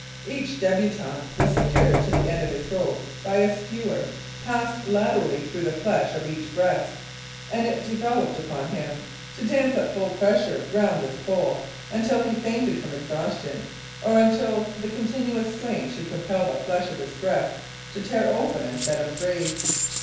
Each debutant was secured to the end of his rope by a skewer passed laterally through the flesh of each breast, and it devolved upon him to dance at full pressure round this pole until he fainted from exhaustion or until the continuous strain should compel the flesh of his breast to tear open and set him free.